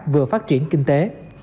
vừa phát triển kinh tế